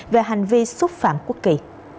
về hành vi xúc phạm quốc kỳ